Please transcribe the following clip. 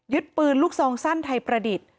ปืนลูกซองสั้นไทยประดิษฐ์